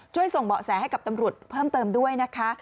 ช่วยส่งเบาะแสให้กับตำรวจเพิ่มเติมด้วยนะคะ